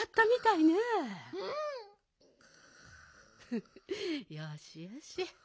フフよしよし。